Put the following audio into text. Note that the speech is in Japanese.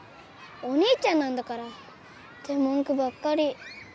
「お兄ちゃんなんだから」って文句ばっかり。